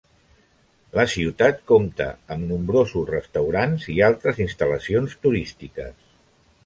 La ciutat compta amb nombrosos restaurants i altres instal·lacions turístiques.